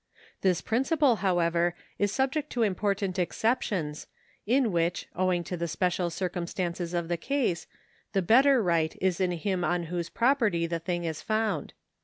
This principle, however, is subject to important exceptions, in which, owing to the special circumstances of the case, the better right is in liim on whose property the thing is found.